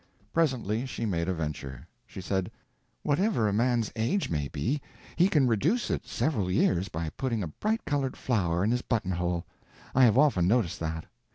Presently she made a venture. She said: "Whatever a man's age may be, he can reduce it several years by putting a bright colored flower in his button hole. I have often noticed that.